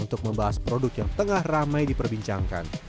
untuk membahas produk yang tengah ramai diperbincangkan